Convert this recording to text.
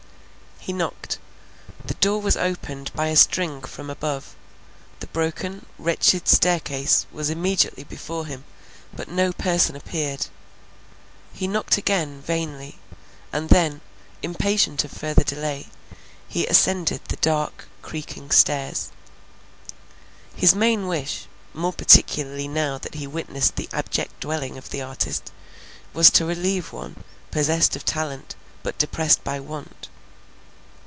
He knocked; the door was opened by a string from above—the broken, wretched staircase was immediately before him, but no person appeared; he knocked again, vainly—and then, impatient of further delay, he ascended the dark, creaking stairs. His main wish, more particularly now that he witnessed the abject dwelling of the artist, was to relieve one, possessed of talent, but depressed by want.